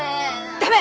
ダメ！